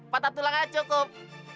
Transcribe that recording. patah tulangnya cukup